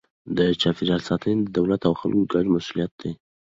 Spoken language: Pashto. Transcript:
د چاپیریال ساتنه د دولت او خلکو ګډه مسئولیت دی.